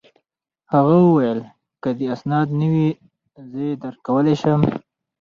هغه وویل: که دي اسناد نه وي، زه يې درکولای شم.